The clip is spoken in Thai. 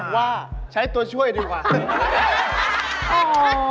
ว่าใช้ตัวช่วยดีกว่า